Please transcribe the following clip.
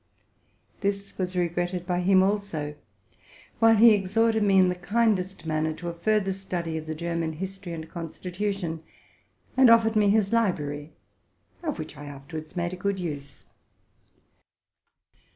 This was regretted by him also; while he exhorted me in the kindest manner to a further study of the German history and consti tution, and offered me ee library, of which I afterwaids made a good use.